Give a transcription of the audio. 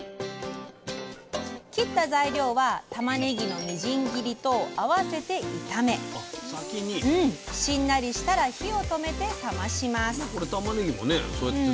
切った材料はたまねぎのみじん切りと合わせて炒めしんなりしたら火を止めて冷まします。